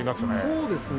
そうですね。